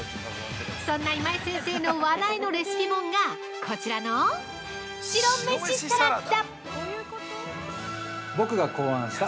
そんな今井先生の話題のレシピ本がこちらの「白飯サラダ」。